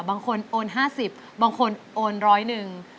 บางคนโอน๕๐บางคนโอน๑๐๑